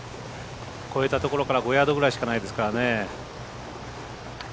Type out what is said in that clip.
越えたところから５ヤードぐらいしかないですからね。